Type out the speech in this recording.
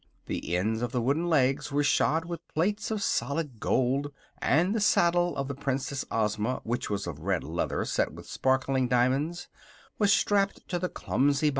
The ends of the wooden legs were shod with plates of solid gold, and the saddle of the Princess Ozma, which was of red leather set with sparkling diamonds, was strapped to the clumsy body.